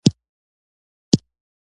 د حلال رزق خوند د برکت نښه ده.